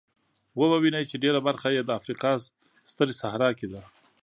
وبه وینئ چې ډېره برخه یې د افریقا سترې صحرا کې ده.